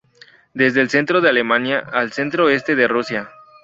Desde el centro de Alemania al centro este de Rusia.